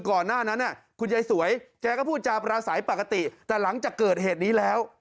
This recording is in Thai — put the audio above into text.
ก่อนหน้านั้นคุณยายสวยแกก็พูดจาปราศัยปกติแต่หลังจากเกิดเหตุนี้แล้ว